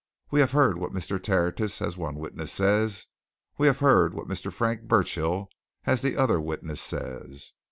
"We have heard what Mr. Tertius, as one witness, says; we have heard what Mr. Frank Burchill, as the other witness, says.